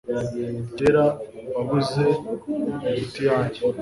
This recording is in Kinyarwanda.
Kamera waguze iruta iyanjye